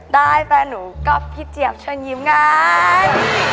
ได้แฟนหนูก็พี่เจี๊ยบช่วยชื่อยิ้มไง